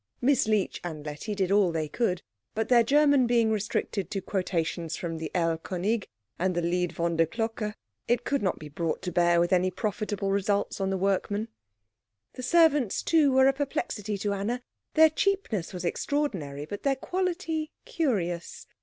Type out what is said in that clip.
Miss Leech and Letty did all they could, but their German being restricted to quotations from the Erl König and the Lied von der Glocke, it could not be brought to bear with any profitable results on the workmen. The servants, too, were a perplexity to Anna. Their cheapness was extraordinary, but their quality curious.